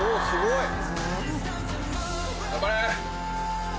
すごい。